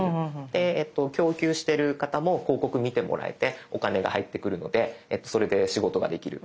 で供給してる方も広告見てもらえてお金が入ってくるのでそれで仕事ができる。